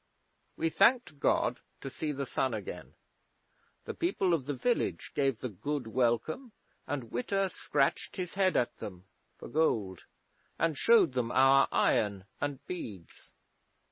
We thanked God to see the sun again. The people of the village gave the good welcome, and Witta scratched his head at them (for gold), and showed them our iron and beads.